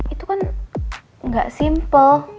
itu kan gak simple